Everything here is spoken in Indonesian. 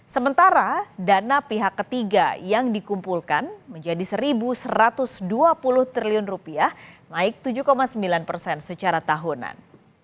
sementara dana pihak ketiga yang dikumpulkan menjadi rp satu satu ratus dua puluh triliun naik tujuh sembilan persen secara tahunan